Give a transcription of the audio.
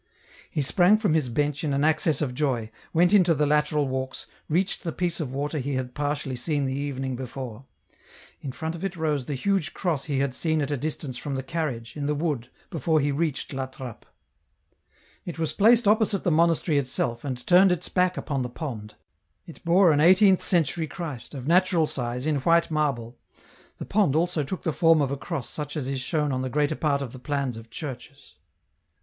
He sprang from his bench in an access of joy, went into the lateral walks, reached the piece of water he had partially seen the evening before ; in front of it rose the huge cross he had seen at a distance from the carriage, in the wood, before he reached La Trappe. It was placed opposite the monastery itself, and turned its back upon the pond ; it bore an eighteenth century Christ, of natural size, in white marble ; the pond also took the form of a cross such as is shown on the greater part of the plans of churches.